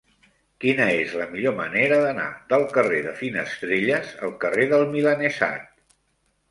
Quina és la millor manera d'anar del carrer de Finestrelles al carrer del Milanesat?